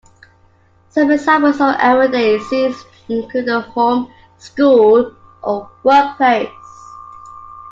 Some examples of everyday scenes include the home, school, or workplace.